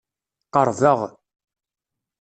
Qerrbeɣ.